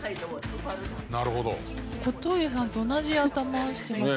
小峠さんと同じ頭してます。